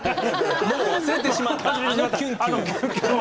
もう忘れてしまったあのキュンキュンを。